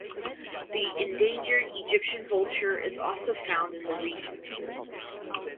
The endangered Egyptian vulture is also found in the region.